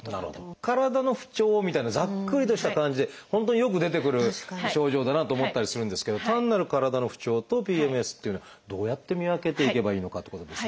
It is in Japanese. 体の不調みたいなざっくりとした感じで本当によく出てくる症状だなと思ったりするんですけど単なる体の不調とＰＭＳっていうのはどうやって見分けていけばいいのかってことですが。